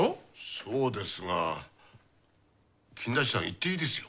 そうですが金田一さん行っていいですよ。